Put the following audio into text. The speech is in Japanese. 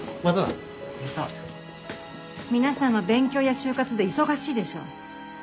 皆さんは勉強や就活で忙しいでしょう。